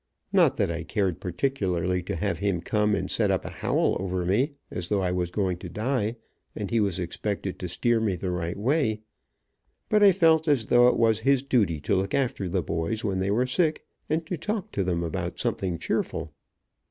Not that I cared particularly to have him come and set up a howl over me, as though I was going to die, and he was expected to steer me the right way. But I felt as though it was his duty to look after the boys when they were sick, and talk to them about something cheerful.